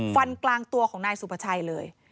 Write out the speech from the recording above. ฟันกลางตัวของนายสุภาชัยเลย